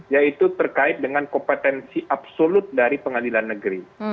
yaitu terkait dengan kompetensi absolut dari pengadilan negeri